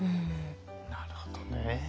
なるほどね。